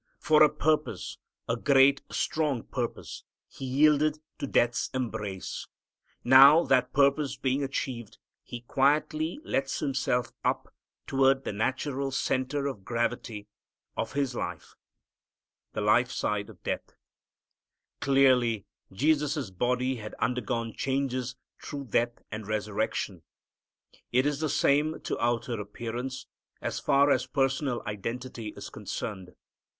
For a purpose, a great strong purpose, He yielded to death's embrace. Now that purpose being achieved, He quietly lets Himself up toward the natural center of gravity of His life. The Life Side of Death. Clearly Jesus' body had undergone changes through death and resurrection. It is the same to outer appearance, so far as personal identity is concerned.